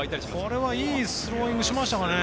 これはいいスローイングしましたね。